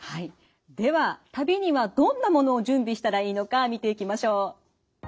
では旅にはどんなものを準備したらいいのか見ていきましょう。